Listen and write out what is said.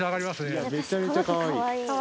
いや、めちゃめちゃかわいい。